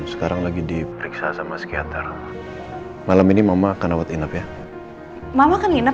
sekarang lagi diperiksa sama psikiater malam ini mama akan rawat inap ya mama kan nginep